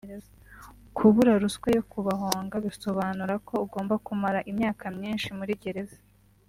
Kubura ruswa yo kubahonga bisobanura ko ugomba kumara imyaka myinshi muri gereza